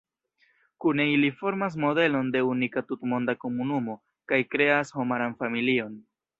Kune ili formas modelon de unika tutmonda komunumo, kaj kreas homaran familion.